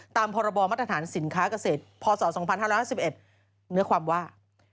ตามพรบมาตรฐานสินค้าเกษตรพศ๒๕๕๑เนื้อความว่า